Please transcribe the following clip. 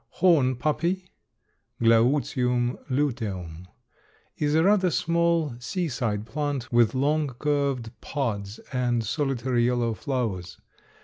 Horn poppy (Glaucium luteum) is a rather small seaside plant, with long curved pods and solitary yellow flowers.